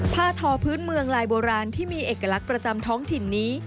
ทอพื้นเมืองลายโบราณที่มีเอกลักษณ์ประจำท้องถิ่นนี้